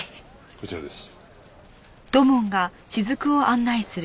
こちらです。